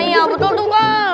iya betul tuh kak